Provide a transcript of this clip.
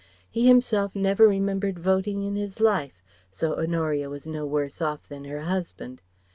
He himself never remembered voting in his life, so Honoria was no worse off than her husband.